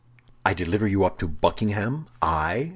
"I deliver you up to Buckingham? I?